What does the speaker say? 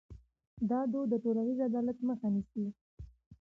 دا دود د ټولنیز عدالت مخه نیسي.